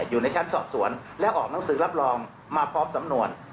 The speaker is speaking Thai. อยู่ในชั้นสอบสวนและออกหนังสือรับรองมาพร้อมสำนวน